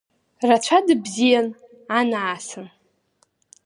Рацәа дыбзиан, анаасын!